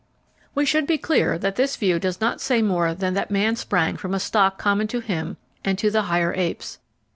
We should be clear that this view does not say more than that man sprang from a stock common to him and to the higher apes.